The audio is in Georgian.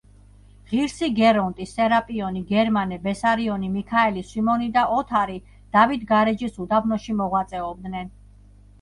ღირსი გერონტი, სერაპიონი, გერმანე, ბესარიონი, მიქაელი, სვიმონი და ოთარი დავით-გარეჯის უდაბნოში მოღვაწეობდნენ.